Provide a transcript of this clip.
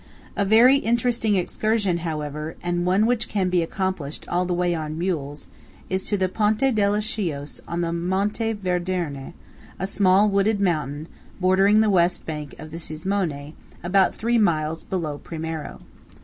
A very interesting excursion, however, and one which can be accomplished all the way on mules, is to the Ponte dello Schios on Monte Vederne, a small wooded mountain bordering the west bank of the Cismone, about three miles below Primiero.